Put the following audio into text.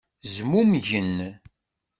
Zmumgen.